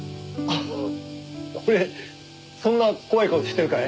俺そんな怖い顔してるかい？